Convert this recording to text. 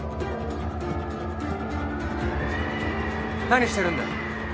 何してるんだよ？